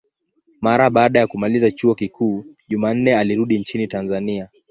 Mara baada ya kumaliza chuo kikuu, Jumanne alirudi nchini Tanzania.